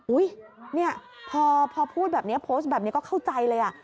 เนี่ยพอพูดแบบนี้โพสต์แบบนี้ก็เข้าใจเลย